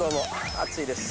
暑いです。